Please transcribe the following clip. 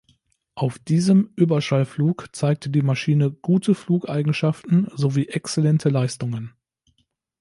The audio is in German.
Auf diesem Überschallflug zeigte die Maschine gute Flugeigenschaften sowie exzellente Leistungen.